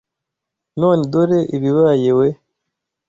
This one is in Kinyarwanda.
None dore ibibaye we